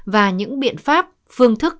và những biện pháp phương thức